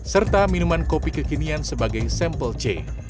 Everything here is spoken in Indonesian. serta minuman kopi kekinian sebagai sampel c